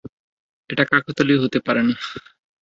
এটা কাকতালীয় হতে পারে না।